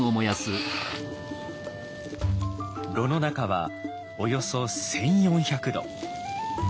炉の中はおよそ１，４００度。